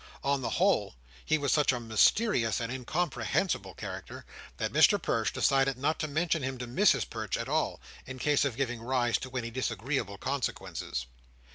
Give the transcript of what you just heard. On the whole, he was such a mysterious and incomprehensible character, that Mr Perch decided not to mention him to Mrs Perch at all, in case of giving rise to any disagreeable consequences.